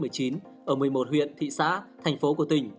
ở một mươi một huyện thị xã thành phố của tỉnh